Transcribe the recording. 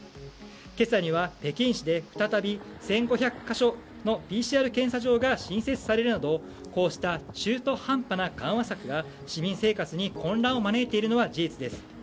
今朝には北京市で再び１５００か所のＰＣＲ検査場が新設されるなどこうした中途半端な緩和策が市民生活に混乱を招いているのは事実です。